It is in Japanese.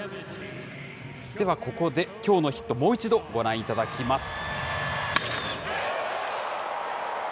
ではここで、きょうのヒット、もう一度ご覧いただきます。